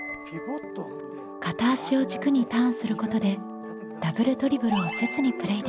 片足を軸にターンすることでダブルドリブルをせずにプレイできます。